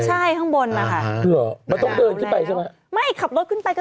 ใช่ข้างบนแหละค่ะ